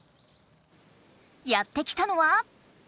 やって来たのは。